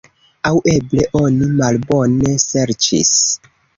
Aŭ eble oni malbone serĉis.